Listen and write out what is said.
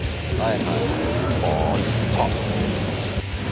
あいった。